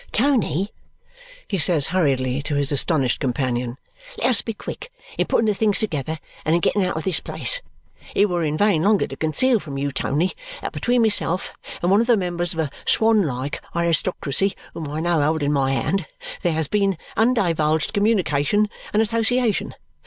"Tony," he says hurriedly to his astonished companion, "let us be quick in putting the things together and in getting out of this place. It were in vain longer to conceal from you, Tony, that between myself and one of the members of a swan like aristocracy whom I now hold in my hand, there has been undivulged communication and association.